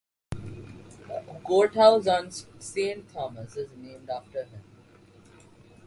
Courthouse on Saint Thomas is named after him.